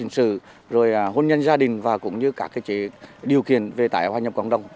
xử rồi hôn nhân gia đình và cũng như các điều kiện về tải hòa nhập cộng đồng